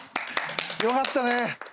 よかったね！